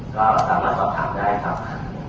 ก็สามารถสอบถามได้ครับ